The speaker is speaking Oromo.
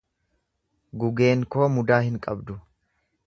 Gugeen koo mudaa hin qabdu.